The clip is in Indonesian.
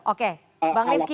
oke bang rifqi